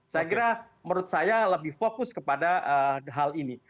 saya kira menurut saya lebih fokus kepada hal ini